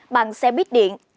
bằng xe buýt điện